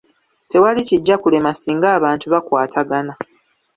Tewali kijja kulema singa abantu batwatagana.